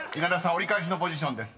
折り返しのポジションです。